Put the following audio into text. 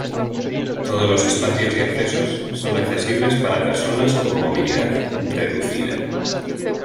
Todos los espacios y accesos, son accesibles para personas con movilidad reducida.